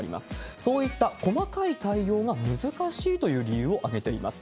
そういった細かい対応が難しいという理由を挙げています。